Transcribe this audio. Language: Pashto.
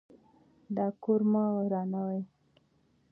دا کور مه ورانوئ.